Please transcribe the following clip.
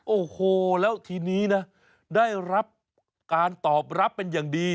โอ้โหแล้วทีนี้นะได้รับการตอบรับเป็นอย่างดี